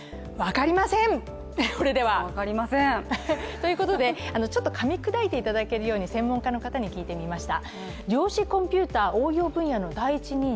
ということで、ちょっとかみ砕いていただけるように専門家の方に聞いてみました。